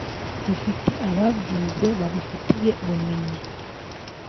dufite ababyize babifitiye ubumenyi